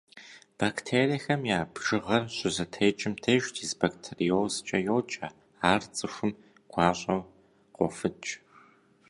Бактериехэм я бжыгъэр щызэтекӏым деж дисбактериозкӏэ йоджэ, ар цӏыхум гуащӏэу къофыкӏ.